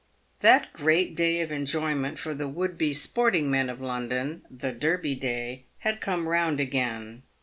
That great day of enjoyment for the would be sporting men of London, "The Derby Hay," had come round again.